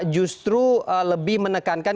justru lebih menekankan